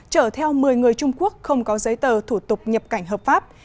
chở theo một mươi người trung quốc không có giấy tờ thủ tục nhập cảnh hợp pháp